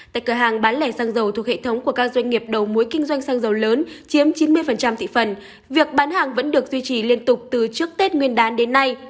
tại cửa hàng bán lẻ xăng dầu thuộc hệ thống của các doanh nghiệp đầu mối kinh doanh xăng dầu lớn chiếm chín mươi thị phần việc bán hàng vẫn được duy trì liên tục từ trước tết nguyên đán đến nay